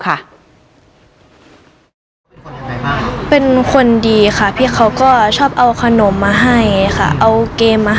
ค่ะเป็นคนดีอะค่ะพี่เค้าก็ชอบเอาขนมมาให้อะค่ะเอาเกมมา